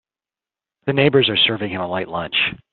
The neighbors are serving him a light lunch.